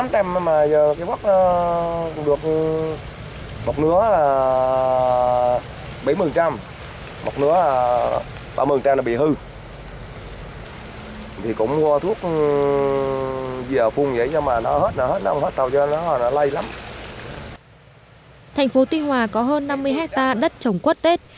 thành phố tuy hòa có hơn năm mươi hectare đất trồng quất tết